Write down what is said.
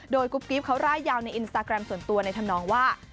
โดยกุ๊บกิ๊บเขาร่ายยาวในอินสตาแกรมส่วนตัวในธรรมนองว่า